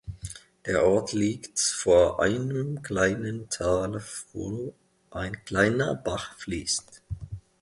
Der Ort liegt vor einem kleinen Tal, wo ein kleiner Bach fließt.